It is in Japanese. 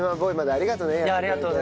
ありがとうございます。